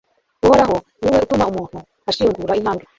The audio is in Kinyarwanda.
uhoraho ni we utuma umuntu ashingura intambwe